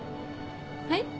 はい？